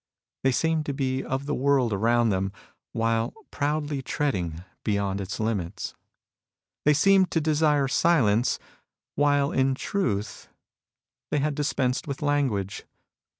They seemed to be of the world around them, while proudly treading beyond its limits. They seemed to 4§strQ silence^ while in truth the^ had 90 MUSINGS OP A CHINESE MYSTIC dispensed with language.